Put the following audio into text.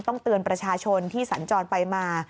ต้องเตือนประชาชนที่สัญจรไปมา